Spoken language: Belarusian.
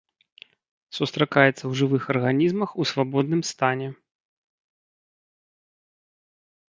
Сустракаецца ў жывых арганізмах у свабодным стане.